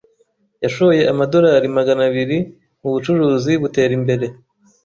Yashoye amadorari magana abiri mu bucuruzi butera imbere.